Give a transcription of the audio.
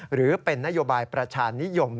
หรือเป็นนโยบายประชานิยม